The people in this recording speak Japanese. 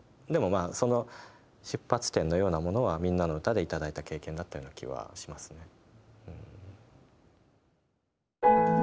でもその出発点のようなものは「みんなのうた」で頂いた経験だったような気はしますね。